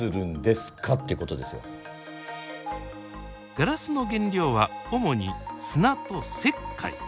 ガラスの原料は主に砂と石灰。